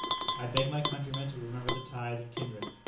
I beg my countrymen to remember the ties of kindred.